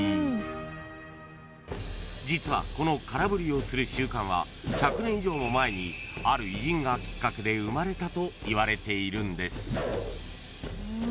［実はこの空振りをする習慣は１００年以上も前にある偉人がきっかけで生まれたといわれているんです］